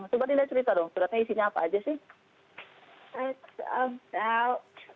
coba dilihat cerita dong suratnya isinya apa aja sih